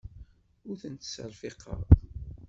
Ur tent-ttserfiqeɣ.